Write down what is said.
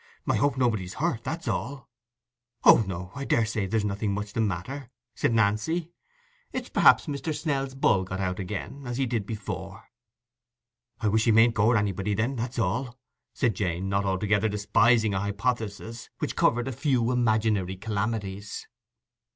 I hope nobody's hurt, that's all." "Oh, no, I daresay there's nothing much the matter," said Nancy. "It's perhaps Mr. Snell's bull got out again, as he did before." "I wish he mayn't gore anybody then, that's all," said Jane, not altogether despising a hypothesis which covered a few imaginary calamities.